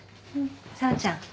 紗和ちゃん。